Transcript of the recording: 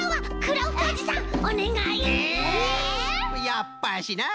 やっぱしな。